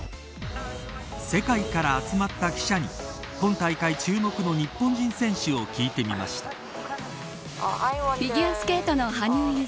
世界から集まった記者に今大会注目の日本人選手を聞いてみました。